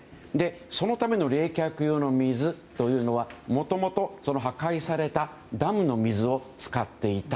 そのための冷却用の水というのはもともと破壊されたダムの水を使っていた。